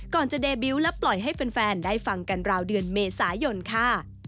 ก่อนจะเดบิวต์และปล่อยให้แฟนได้ฟังกันราวเดือนเมษายนค่ะ